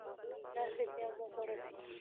لاس یې بیا وغوړوی.